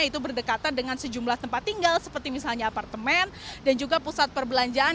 itu berdekatan dengan sejumlah tempat tinggal seperti misalnya apartemen dan juga pusat perbelanjaan